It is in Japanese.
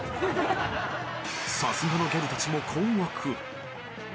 ［さすがのギャルたちも困惑］